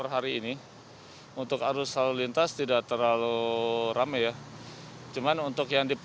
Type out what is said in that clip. di luar dari bandung